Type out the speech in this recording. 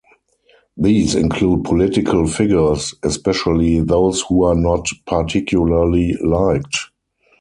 These include political figures, especially those who are not particularly liked.